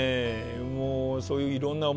もうそういういろんな思い出。